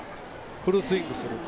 フルスイングする。